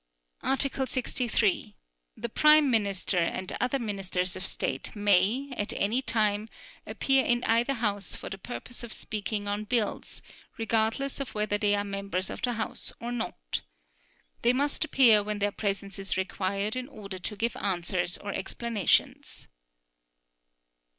Article 63. The Prime Minister and other Ministers of State may, at any time, appear in either House for the purpose of speaking on bills, regardless of whether they are members of the House or not. They must appear when their presence is required in order to give answers or explanations.